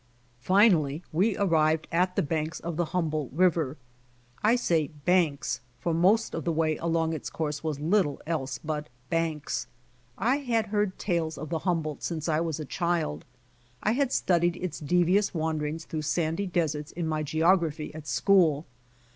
Finally we arrived at the banks of the Humboldt THE HUMBOLDT RIVER 113 river. I say bauks, for most of the way along its course was little else but banks. I had heard tales of the Humboldt since I was a child. I had studied its devious wanderings through sandy deserts in my geography at school.